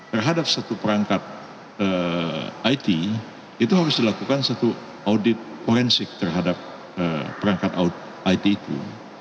terhadap satu perangkat it itu harus dilakukan satu audit forensik terhadap perangkat it itu